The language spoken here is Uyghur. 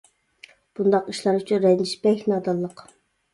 بۇنداق ئىشلار ئۈچۈن رەنجىش بەك نادانلىق.